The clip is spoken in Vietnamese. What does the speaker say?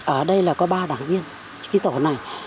ở đây là có ba đảng viên cái tổ này